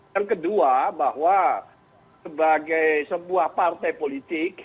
yang kedua bahwa sebagai sebuah partai politik